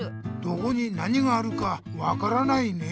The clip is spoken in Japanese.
どこに何があるか分からないね。